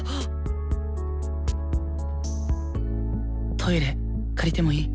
トイレ借りてもいい？